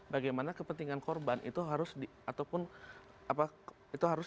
bagaimana kepentingan korban itu harus